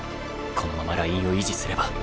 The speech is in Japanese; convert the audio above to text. このままラインを維持すれば。